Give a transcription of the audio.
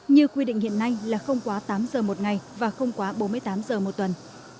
như quy định hiện nay là không quá tám giờ một ngày và không quá bốn mươi tám giờ một tuần